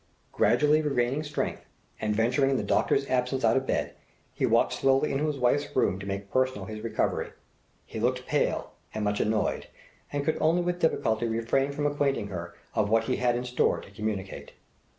Gradually regaining strength, and venturing in the doctor's absence out of bed, he walked slowly into his wife's room to make personal his recovery. He looked pale, and much annoyed, and could only with difficulty refrain from acquainting her of what he had in store to communicate.